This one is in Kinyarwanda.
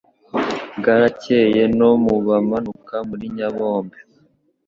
Bwarakeye nu bamanuka muri Nyabombe